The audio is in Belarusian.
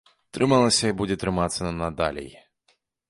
Трымалася і будзе трымацца надалей.